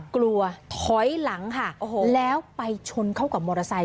กลัวถอยหลังค่ะโอ้โหแล้วไปชนเข้ากับมอเตอร์ไซค